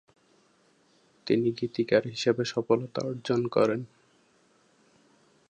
তিনি গীতিকার হিসেবে সফলতা অর্জন করেন।